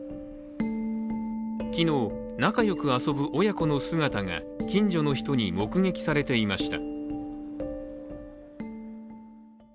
昨日、仲良く遊ぶ親子の姿が近所の人に目撃されていました。